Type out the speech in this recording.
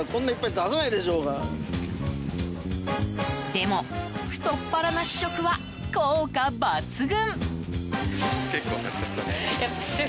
でも、太っ腹な試食は効果抜群！